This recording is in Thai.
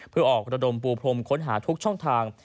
เพื่อออกระดมปูพรมค้นหาทุกช่องทาง